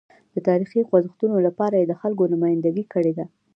د تاریخي خوځښتونو لپاره یې د خلکو نمایندګي کړې ده.